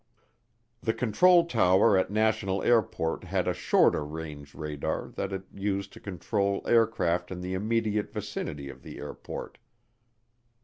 The control tower at National Airport had a shorter range radar that it used to control aircraft in the immediate vicinity of the airport.